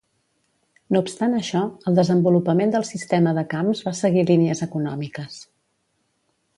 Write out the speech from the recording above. No obstant això, el desenvolupament del sistema de camps va seguir línies econòmiques.